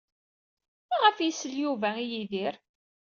Maɣef ay isell Yuba i Yidir?